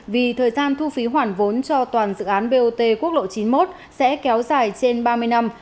vì thời gian thu phí hoàn vốn cho toàn dự án bot quốc lộ chín mươi một sẽ kéo dài trên ba mươi năm